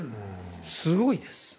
すごいです。